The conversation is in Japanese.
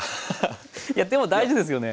いやでも大事ですよね。